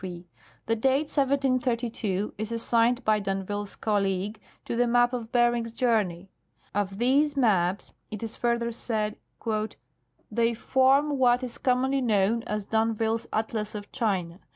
The date 1732 is assigned by d'Anville's colleague to the map of Bering's journey. Of these maps it is further said : "They form what is commonly known as d'Anville's Atlas of China.